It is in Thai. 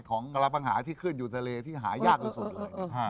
ของกระบังหาที่ขึ้นอยู่ทะเลที่หายากที่สุดเลย